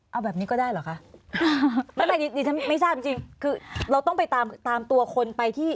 เอาแบบนี้ก็ได้เหรอคะไม่ใช่จริงคือเราต้องไปตามตัวคนไปที่